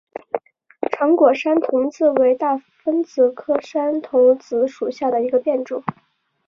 长果山桐子为大风子科山桐子属下的一个变种。